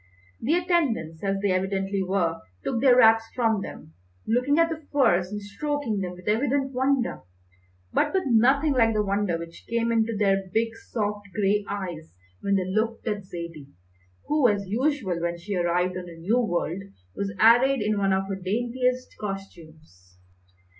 The attendants, as they evidently were, took their wraps from them, looking at the furs and stroking them with evident wonder; but with nothing like the wonder which came into their big soft grey eyes when they looked at Zaidie, who, as usual when she arrived on a new world, was arrayed in one of her daintiest costumes.